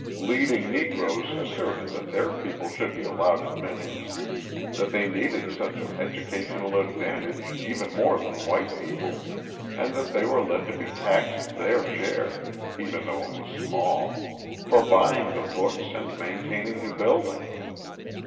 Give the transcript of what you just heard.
Leading Negroes asserted that their people should be allowed admittance, that they needed such an educational advantage even more than white people, and that they were to be taxed their share even though it was small for buying the books and maintaining the building.